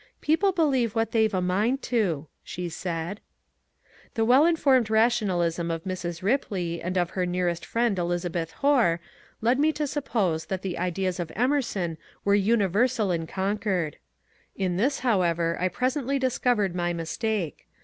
^' People believe what they 've a mind to," she said. EMERSON AND GOETHE 147 The well informed rationalism of Mrs. Ripley, and of her nearest friend Elizabeth Hoar, led me to suppose that the ideas of Emerson were universal in Concord. In this, how ever, I presently discovered my mistake.